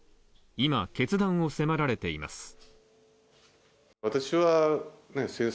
今、決断を迫られています。